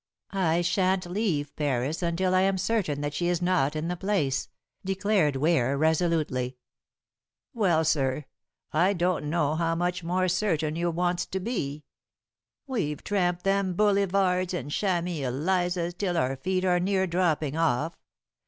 "I shan't leave Paris until I am certain that she is not in the place," declared Ware resolutely. "Well, sir, I don't know how much more certain you wants to be. We've tramped them bullyvardes and Chamy Elizas till our feet are near dropping off.